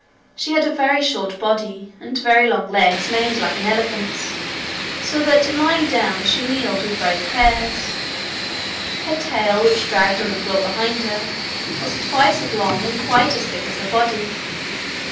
She had a very short body, and very long legs made like an elephant's, so that in lying down she kneeled with both pairs. Her tail, which dragged on the floor behind her, was twice as long and quite as thick as her body.